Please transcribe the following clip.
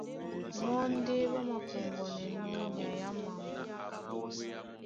Mɔ́ ndé ɓá māpɔŋgɔnɛnɔ́ nyay á mambo.